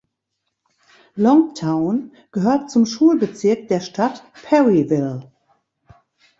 Longtown gehört zum Schulbezirk der Stadt Perryville.